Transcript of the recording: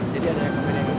jadi ada yang pemenangin